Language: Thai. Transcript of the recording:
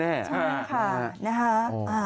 ใช่ค่ะนะคะ